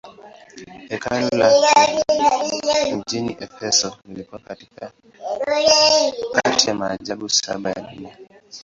Hekalu lake mjini Efeso lilikuwa kati ya maajabu saba ya dunia.